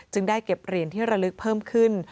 ได้เก็บเหรียญที่ระลึกเพิ่มขึ้น